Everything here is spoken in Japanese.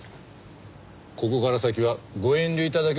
ここから先はご遠慮頂けますか？